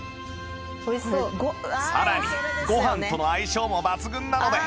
さらにご飯との相性も抜群なので